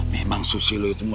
memang susi lo itu